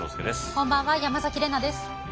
こんばんは山崎怜奈です。